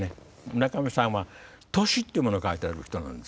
村上さんは都市っていうものを書いてある人なんですよ。